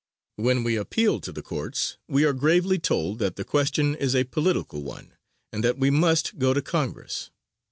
When we appeal to the Courts, we are gravely told that the question is a political one, and that we must go to Congress.